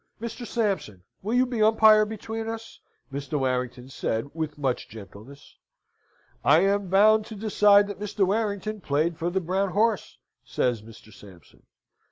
Mr. Sampson, will you be umpire between us?" Mr. Warrington said, with much gentleness. "I am bound to decide that Mr. Warrington played for the brown horse," says Mr. Sampson.